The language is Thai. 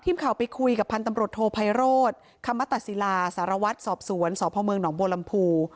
ทีมข่าวไปคุยกับพันธ์ตำรวจโทไพโรธคมตศิลาสารวัตรสอบสวนสพเมืองหนองบัวลำพู